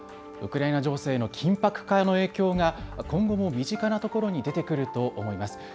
ウクライナ情勢の緊迫化の影響が今後も身近なところに出てくると思います。